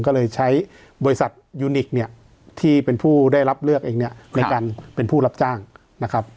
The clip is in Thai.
ก็เลยใช้บริษัทยูนิคเนี่ยที่เป็นผู้ได้รับเลือกเองเนี่ยในการเป็นผู้รับจ้างนะครับ